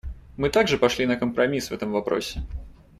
Мы также пошли на компромисс в этом вопросе.